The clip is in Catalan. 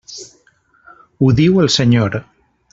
Ho diu el Senyor.